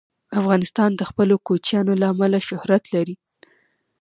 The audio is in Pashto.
افغانستان د خپلو کوچیانو له امله شهرت لري.